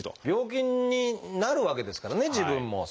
病気になるわけですからね自分も。